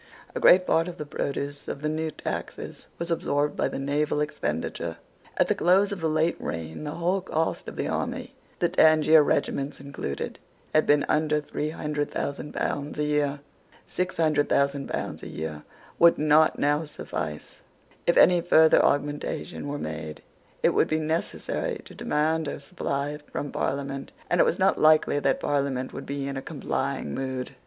A great part of the produce of the new taxes was absorbed by the naval expenditure. At the close of the late reign the whole cost of the army, the Tangier regiments included, had been under three hundred thousand pounds a year. Six hundred thousand pounds a year would not now suffice. If any further augmentation were made, it would be necessary to demand a supply from Parliament; and it was not likely that Parliament would be in a complying mood.